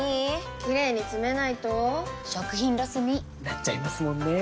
キレイにつめないと食品ロスに．．．なっちゃいますもんねー！